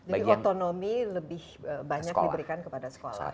jadi otonomi lebih banyak diberikan kepada sekolah